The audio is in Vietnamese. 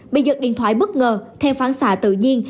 bị giật điện thoại bất ngờ theo phán xạ tự nhiên